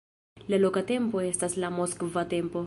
La loka tempo estas la moskva tempo.